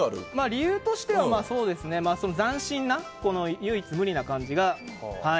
理由としては斬新な唯一無二な感じが。